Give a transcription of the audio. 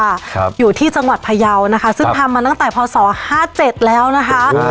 ครับอยู่ที่จังหวัดพยาวนะคะซึ่งทำมาตั้งแต่พศห้าเจ็ดแล้วนะคะอ่า